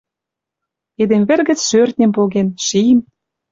Эдем вӹр гӹц шӧртньӹм поген, шим.